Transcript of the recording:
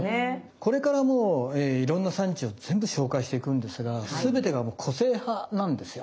これからもういろんな産地を全部紹介していくんですが全てがもう個性派なんですよ。